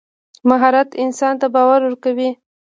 مهارت انسان ته باور ورکوي.